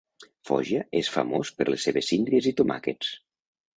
Foggia és famós per les seves síndries i tomàquets.